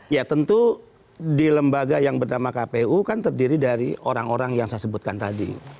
ya tentu di lembaga yang bernama kpu kan terdiri dari orang orang yang saya sebutkan tadi